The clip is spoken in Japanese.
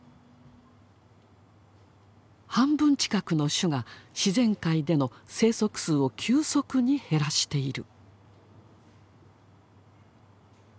半分近くの種が自然界での生息数を急速に減らしている。